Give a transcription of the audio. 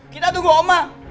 kita tunggu oma